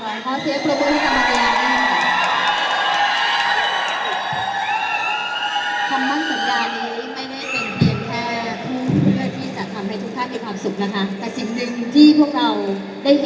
ขอบคุณมากเลยค่ะ